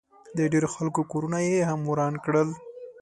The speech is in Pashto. د ډېرو خلکو کورونه ئې هم وران کړل